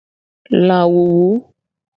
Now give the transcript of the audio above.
Lawuwu.